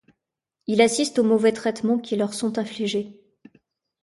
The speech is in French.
Il assiste aux mauvais traitements qui leur sont infligés.